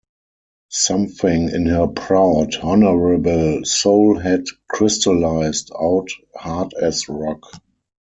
Something in her proud, honourable soul had crystallised out hard as rock.